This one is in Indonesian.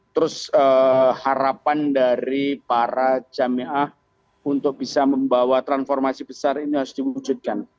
terus harapan dari para jamaah untuk bisa membawa transformasi besar ini harus diwujudkan